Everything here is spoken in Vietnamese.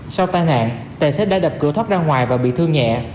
sau tai nạn tài xế đã đập cửa thoát ra ngoài và bị thương nhẹ